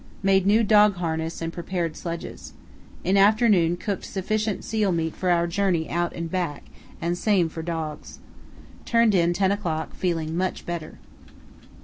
Made new dog harness and prepared sledges. In afternoon cooked sufficient seal meat for our journey out and back, and same for dogs. Turned in 10 o'clock, feeling much better.